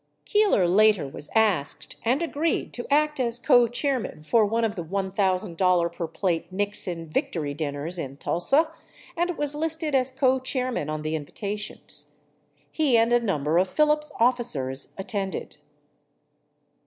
Keeler later was asked and agreed to act as cochairman for one of the $l,000 per plate Nixon "victory dinners" in Tulsa and was listed as cochairman on the invitations ; lie and a number of Phillips officers attended.